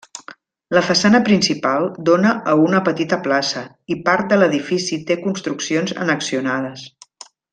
La façana principal dóna a una petita plaça i part de l'edifici té construccions annexionades.